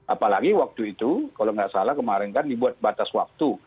apalagi waktu itu kalau nggak salah kemarin kan dibuat batas waktu